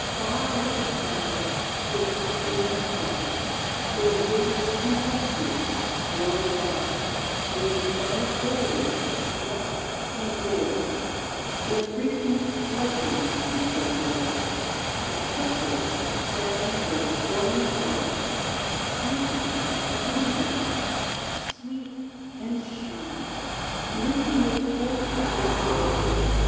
AR up the crag, 'twixt sea and sky, Where winds tempestuous, blowing by, Leave giant boulders swept and bare : Where frequent lightnings fitful flare, And petrels sound their stormy cry, — I found a bluebell, sweet and shy, Lifting its head complacently.